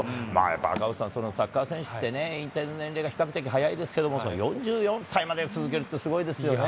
やっぱ赤星さん、サッカー選手ってね、引退の年齢が、比較的早いですけれども、４４歳まで続けるってすごいですよね。